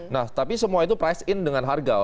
nah tapi semua itu price in dengan harga